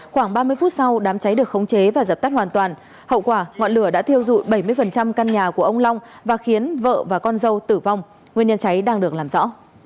khoảng ba mươi phút sau đám cháy được khống chế và dập tắt hoàn toàn hậu quả ngọn lửa đã thiêu dụi bảy mươi căn nhà của ông long và khiến vợ và con dâu tử vong nguyên nhân cháy đang được làm rõ